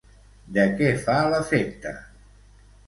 De què fa l'efecte?